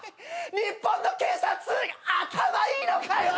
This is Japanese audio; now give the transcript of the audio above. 日本の警察頭いいのかよ！